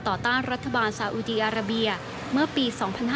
ต้านรัฐบาลสาอุดีอาราเบียเมื่อปี๒๕๕๙